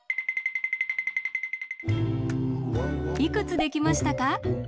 いくつできましたか？